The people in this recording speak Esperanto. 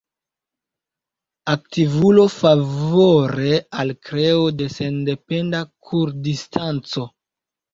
Aktivulo favore al kreo de sendependa Kurdistano.